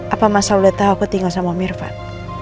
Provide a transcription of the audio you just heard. apa masal sudah tahu aku tinggal sama om irfan